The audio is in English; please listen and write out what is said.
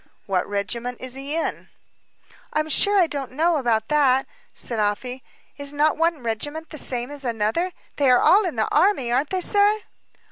"What regiment is he in?" "I'm sure I don't know about that," said Afy. "Is not one regiment the same as another; they are all in the army, aren't they, sir?"